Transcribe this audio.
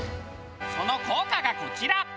その校歌がこちら。